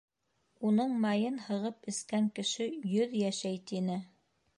Уның майын һығып эскән кеше йөҙ йәшәй, тине.